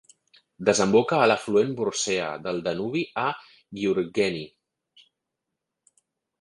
Desemboca a l'afluent Borcea del Danubi a Giurgeni.